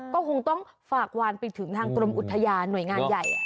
ก็คงต้องฝากวานไปถึงทางกรมอุทยานหน่วยงานใหญ่